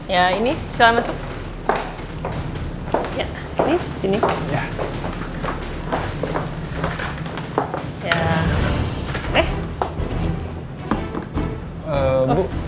ya ini selesai